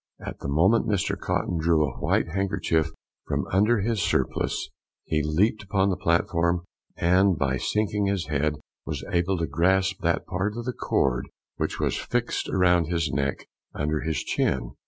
At the moment Mr Cotton drew a white handkerchief from under his surplice, he leaped upon the platform, and by sinking his head was able to grasp that part of the cord which was affixed round his neck under his chin.